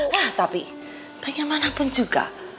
nah tapi baiknya mana pun juga